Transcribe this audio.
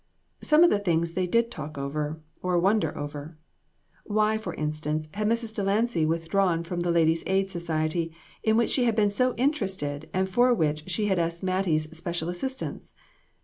Some of the things they did talk over, or wonder over. Why, for instance, had Mrs. Delancy withdrawn from the Ladies' Aid Society, in which she had been so interested and for which she had asked Mattie's special assistance